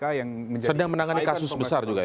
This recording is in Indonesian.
yang sedang menangani kasus besar juga ya